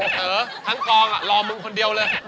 เถอะทั้งกองอ่ะรอมึงคนเดียวเลย